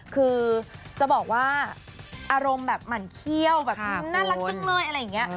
คือจะบอกว่าอารมณ์แบบหมั่นเขี้ยวแบบน่ารักจังเลยอะไรอย่างนี้